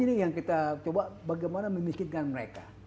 ini yang kita coba bagaimana memiskinkan mereka